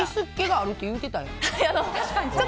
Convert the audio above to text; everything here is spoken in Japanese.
Ｓっ気があるって言うてたやん。